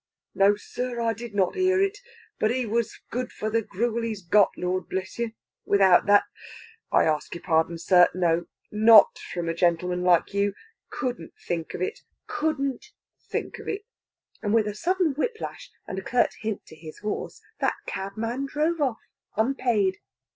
"No, sir, I did not hear it. But he was good for the gruel he's got, Lord bless you! without that ... I ask your pardon, sir no! Not from a gentleman like you! Couldn't think of it! Couldn't think of it!" And with a sudden whip lash, and a curt hint to his horse, that cabman drove off unpaid.